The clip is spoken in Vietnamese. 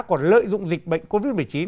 còn lợi dụng dịch bệnh covid một mươi chín